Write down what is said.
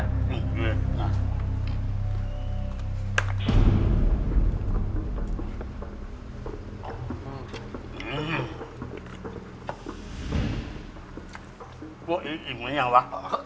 พวกอี๋อิ่มไม่ใช่ยังวะ